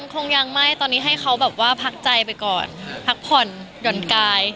คงยังไม่ตอนนี้ให้เขาแบบว่าพักใจไปก่อนพักผ่อนหย่อนกาย